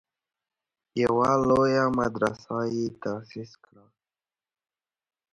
یوه لویه مدرسه یې تاسیس کړه.